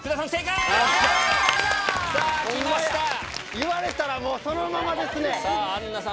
言われたらもうそのままですね。